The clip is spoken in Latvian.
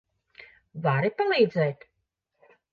Vari palīdzēt?